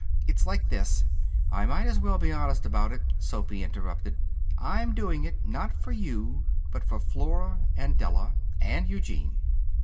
It's like this " "I might as well be honest about it," Sophy interrupted. "I'm doing it, not for you, but for Flora, and Della and Eugene.